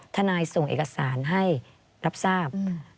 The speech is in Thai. ทนายส่งเอกสารให้รับทราบ